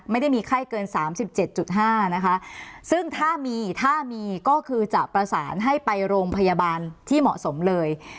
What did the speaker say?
ไม่ได้มีไข้เกิน๓๗๕นะคะซึ่งถ้ามีถ้ามีก็คือจะประสานให้ไปโรงพยาบาลที่เหมาะสมเลย